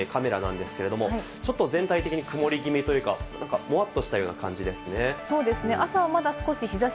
こちら東京スカイツリーからのカメラなんですけれども、ちょっと全体的に曇り気味というか、何かモワっとしたような感じですね。